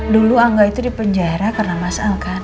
dulu angga itu di penjara karena mas al kan